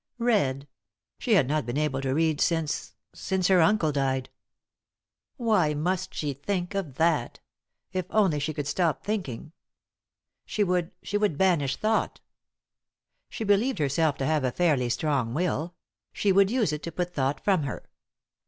Read ? She had not been able to read since — since her uncle died. Why must she think of that ? If only she could stop thinking I She would — she would banish thought She believed herself to have a fairly strong will ; she would use it to put thought from her.